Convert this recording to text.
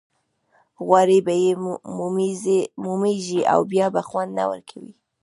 غوړي به یې مومېږي او بیا به خوند نه ورکوي.